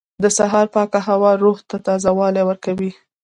• د سهار پاکه هوا روح ته تازهوالی ورکوي.